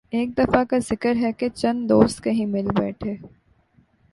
ایک دفعہ کا ذکر ہے کہ چند دوست کہیں مل بیٹھے